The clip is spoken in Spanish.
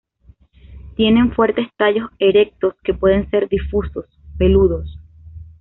Tienen fuertes tallos erectos que pueden ser difusos, peludos.